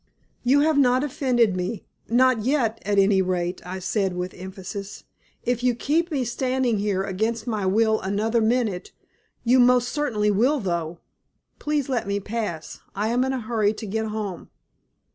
"You have not offended me not yet, at any rate," I said, with emphasis. "If you keep me standing here against my will another minute you most certainly will though. Please let me pass, I am in a hurry to get home."